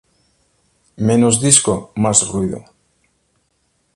Menos disco, más ruido.